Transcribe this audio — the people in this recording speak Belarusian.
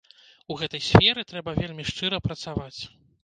У гэтай сферы трэба вельмі шчыра працаваць.